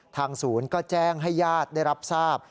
ทางศูนย์ก็แจ้งให้ญาติได้รับทราบ